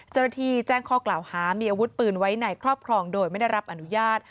เจ้าหน้าที่แจ้งข้อกล่าวหามีอาวุธปืนไว้ในครอบครองโดยไม่ได้รับอนุญาต